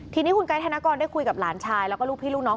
ทีนี้คุณไกด์ธนกรได้คุยกับหลานชายแล้วก็ลูกพี่ลูกน้อง